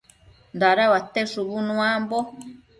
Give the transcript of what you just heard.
Dadauate shubu nuambo